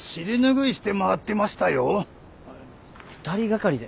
２人がかりで？